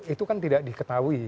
itu kan tidak diketahui